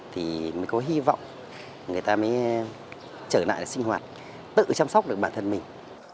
thì mới có hy vọng người ta mới trở lại để sinh hoạt tự chăm sóc được bản thân mình